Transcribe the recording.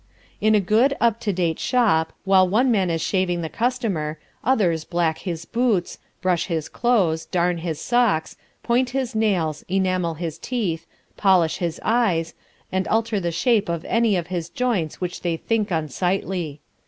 In a good, up to date shop, while one man is shaving the customer, others black his boots; brush his clothes, darn his socks, point his nails, enamel his teeth, polish his eyes, and alter the shape of any of his joints which they think unsightly.